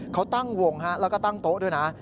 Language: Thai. เขาตั้งวงแล้วก็ตั้งโต๊ะด้วยนะ